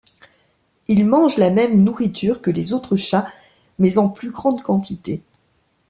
Il mange la même nourriture que les autres chats mais en plus grande quantité.